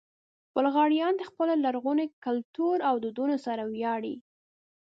بلغاریان د خپل لرغوني کلتور او دودونو سره ویاړي.